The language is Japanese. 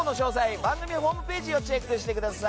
番組ホームページをチェックしてください。